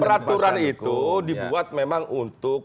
peraturan itu dibuat memang untuk